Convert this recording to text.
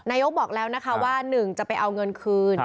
นายกบอกแล้วนะคะว่าหนึ่งจะไปเอาเงินคืน